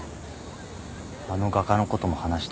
あの画家のことも話した。